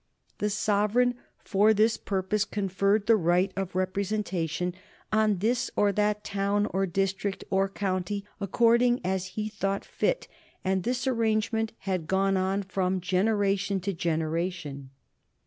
The sovereign for this purpose conferred the right of representation on this or that town, or district, or county, according as he thought fit, and this arrangement had gone on from generation to generation.